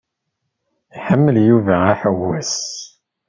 Iḥemmel Yuba aḥewwes.